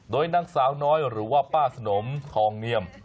โดยนางสาวน้อยหรือว่าป้าสนมทองเนียม